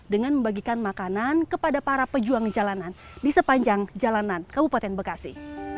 dengan membagikan makanan kepada para pejuang jalanan di sepanjang jalanan kabupaten bekasi